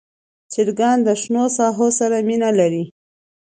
چرګان د شنو ساحو سره مینه لري.